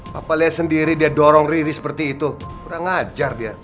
papa lihat sendiri dia dorong ridi seperti itu udah ngajar dia